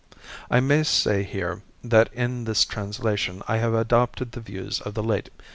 I may say here that in this translation, I have adopted the views of the late M.